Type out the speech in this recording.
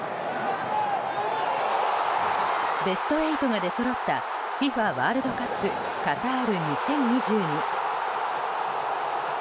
ベスト８が出そろったＦＩＦＡワールドカップカタール２０２２。